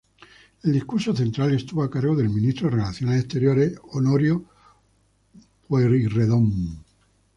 El discurso central estuvo a cargo del ministro de Relaciones Exteriores Honorio Pueyrredón.